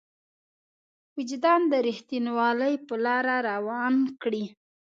وجدان د رښتينولۍ په لاره روان کړي.